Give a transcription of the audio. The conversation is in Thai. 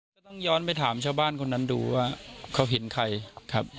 ก็ต้องย้อนไปถามชาวบ้านคนนั้นดูว่าเขาเห็นใครครับ